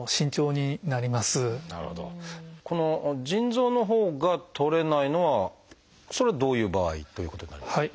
腎臓のほうがとれないのはそれはどういう場合ということになりますか？